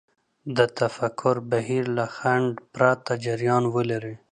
د تفکر بهير له خنډ پرته جريان ولري.